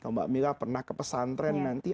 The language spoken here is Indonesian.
mbak mila pernah ke pesantren nanti